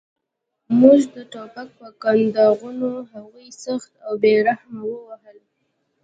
موږ د ټوپک په کنداغونو هغوی سخت او بې رحمه ووهل